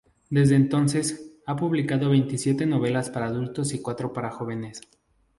Desde entonces, ha publicado veintisiete novelas para adultos y cuatro para jóvenes.